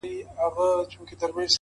زما يتيـمي ارواح تـه غـــــوښـتې خـو.